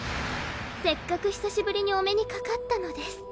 せっかく久しぶりにお目にかかったのです。